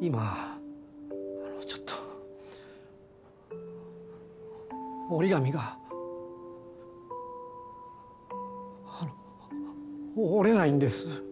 今ちょっと折り紙が折れないんです。